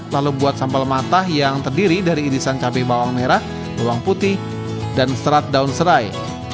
lalu buat sambal matah yang terdiri dari irisan cabai bawang merah bawang putih dan serat daun serai